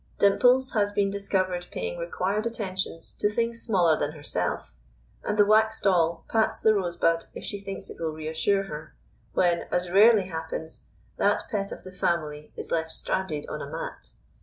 Dimples has been discovered paying required attentions to things smaller than herself; and the Wax Doll pats the Rosebud if she thinks it will reassure her, when (as rarely happens) that pet of the family is left stranded on a mat.